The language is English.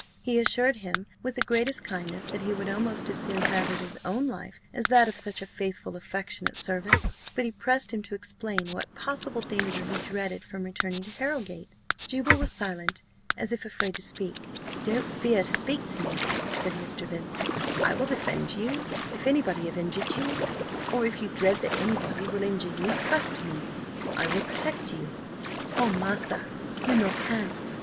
He assured him, with the greatest kindness, that he would almost as soon hazard his own life as that of such a faithful, affectionate servant; but he pressed him to explain what possible danger he dreaded from returning to Harrowgate. Juba was silent, as if afraid to speak "Don't fear to speak to me," said Mr. Vincent; "I will defend you: if anybody have injured you, or if you dread that any body will injure you, trust to me; I will protect you." "Ah, massa, you no can!